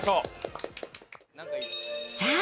さあ